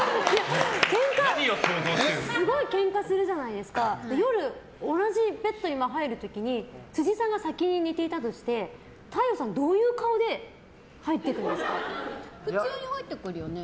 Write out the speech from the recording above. すごいけんかするじゃないですか夜、同じベッドに入る時に辻さんが先に寝ていたとして太陽さん、どういう顔で普通に入ってくるよね。